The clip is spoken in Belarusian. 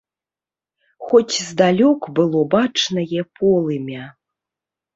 Хоць здалёк было бачнае полымя.